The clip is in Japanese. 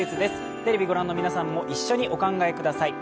テレビを御覧の皆さんも一緒にお考えください。